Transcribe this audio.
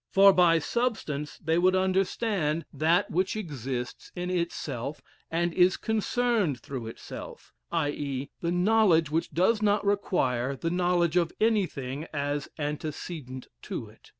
For by substance they would understand that which exists in itself, and is concerned through itself i.e., the knowledge of which does not require the knowledge of anything as antecedent to it.